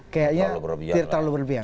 kayaknya tidak terlalu berpihak